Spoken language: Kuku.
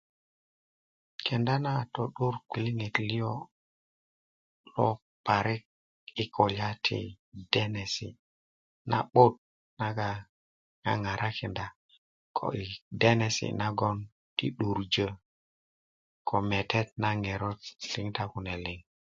kenda na to'dur gwiliŋet lio lo parik i kulya ti denesi na'but naga ŋaŋarakinda ko i denesi nagon ti 'durjö ko metet na ŋerot i diŋitan kune liŋ